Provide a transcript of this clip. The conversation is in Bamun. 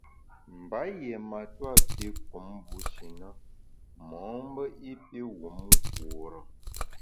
Mba yié matua pi kum bushi na mo’mbe i pi wum nkure.